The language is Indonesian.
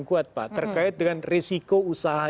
kuat pak terkait dengan risiko usaha